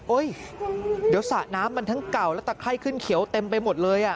เดี๋ยวสระน้ำมันทั้งเก่าและตะไข้ขึ้นเขียวเต็มไปหมดเลย